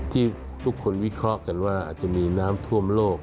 ที่ทุกคนวิเคราะห์กันว่าอาจจะมีน้ำท่วมโลก